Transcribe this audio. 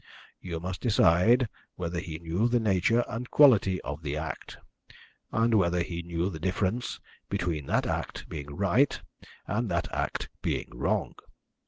You must decide whether he knew the nature and quality of the act, and whether he knew the difference between that act being right, and that act being wrong.